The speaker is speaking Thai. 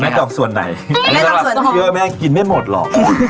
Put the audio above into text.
แม่จองส่วนไหน้เจอแม่กินไม่หมดหรอก